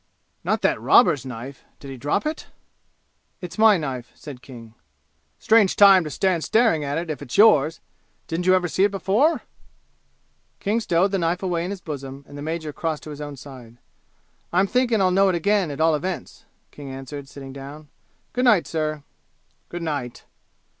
"Not that robber's knife? Did he drop it?" "It's my knife," said King. "Strange time to stand staring at it, if it's yours! Didn't you ever see it before?" King stowed the knife away in his bosom, and the major crossed to his own side. "I'm thinking I'll know it again, at all events!" King answered, sitting down. "Good night, sir." "Good night."